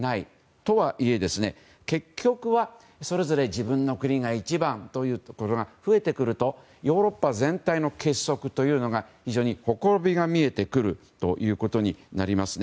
とはいえ、結局はそれぞれ自分の国が一番という国が増えてくるとヨーロッパ全体の結束というのにほころびが見えてくるということになります。